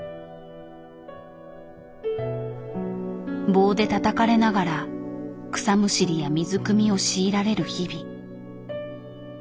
棒でたたかれながら草むしりや水くみを強いられる日々。